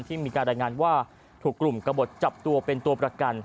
มีการรายงานว่าถูกกลุ่มกระบดจับตัวเป็นตัวประกัน